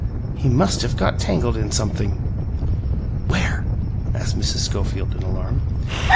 He must have got tangled in something." "Where?" asked Mrs. Schofield, in alarm.